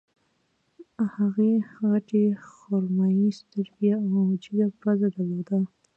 هغې غټې خرمايي سترګې او جګه پزه درلوده